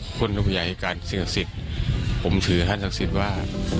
พรุ่งอุปกรณ์ที่การสินศักดิ์ศิษย์ผมถือท่านศักดิ์ศิษย์ว่า